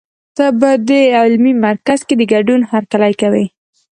ته په دې علمي مرکز کې د ګډون هرکلی کوي.